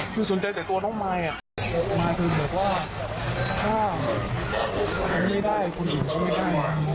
คือสนใจแต่ตัวน้องมายมายคือแบบว่าถ้าแอมมี่ได้คนอื่นก็ไม่ได้